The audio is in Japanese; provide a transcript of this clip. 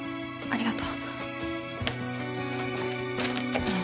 ありがとう。あっ。